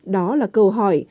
đó là câu hỏi